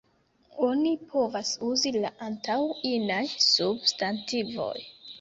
Oni povas uzi La antaŭ inaj substantivoj.